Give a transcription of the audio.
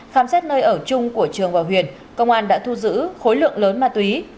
khám xét nơi ở chung của trường và huyền công an đã thu giữ khối lượng lớn ma túy